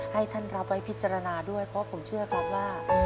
ให้ท่านรับไว้พิจารณาด้วยเพราะผมเชื่อครับว่า